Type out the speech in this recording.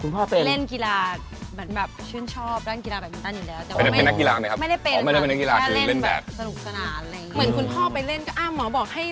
ไม่ได้เป็นกีฬาอ๋อไม่ได้เป็นกีฬาอาจจะเล่นแบบ